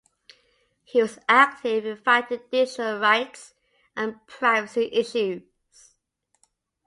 He was active in fighting digital rights and privacy issues.